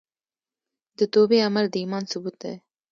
د توبې عمل د ایمان ثبوت دی.